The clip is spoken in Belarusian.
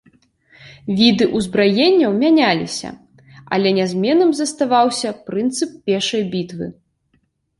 Віды ўзбраенняў мяняліся, але нязменным заставаўся прынцып пешай бітвы.